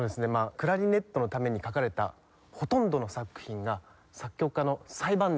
クラリネットのために書かれたほとんどの作品が作曲家の最晩年に書かれてるんですね。